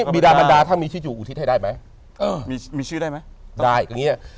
บิดามันดาเทวาดาปรบปารักษากองคลอง